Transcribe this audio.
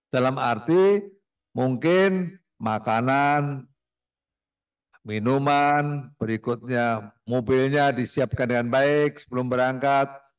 dalam arti mungkin makanan minuman berikutnya mobilnya disiapkan dengan baik sebelum berangkat